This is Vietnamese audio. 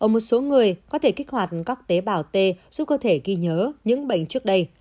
một số người có thể kích hoạt các tế bào t giúp cơ thể ghi nhớ những bệnh trước đây